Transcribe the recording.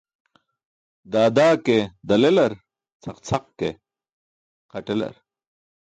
Da da ke dal elar, cʰaq cʰaq ke xaṭ elar.